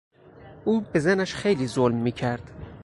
او به زنش خیلی ظلم میکرد.